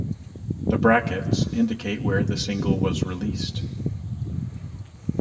The brackets indicate where the single was released.